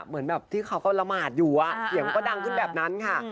เหมือนแบบที่เขาก็ละหมาดอยู่เสียงก็ดังขึ้นแบบนั้นค่ะ